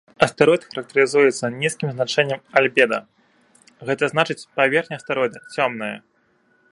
Астэроід характарызуецца нізкім значэннем альбеда, гэта значыць паверхня астэроіда цёмная.